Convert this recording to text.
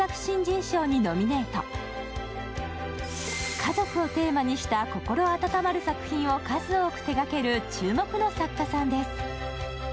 家族をテーマにした心温まる作品を数多く手がける注目の作家さんです。